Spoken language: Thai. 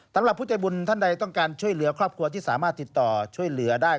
สำหรับผู้ใจบุญท่านใดต้องการช่วยเหลือครอบครัวที่สามารถติดต่อช่วยเหลือได้